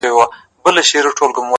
o خــو ســــمـدم؛